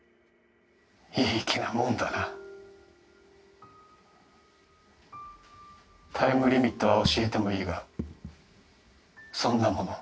いい気なもんだなタイムリミットは教えてもいいがそんなもの